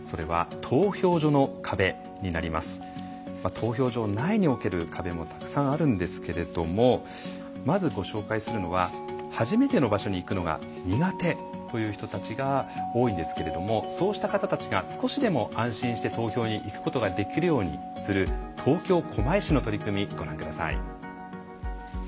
投票所内における壁もたくさんあるんですけれどもまず、ご紹介するのは初めての場所に行くのが苦手という人たちが多いんですけれどもそうした方たちが少しでも安心して投票に行くことができるようにする東京・狛江市の取り組みご覧ください。